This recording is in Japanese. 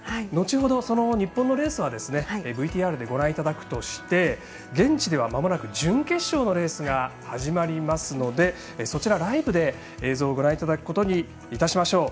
のちほど日本のレースはＶＴＲでご覧いただくとして現地では、まもなく準決勝のレースが始まりますのでそちら、ライブで映像をご覧いただきます。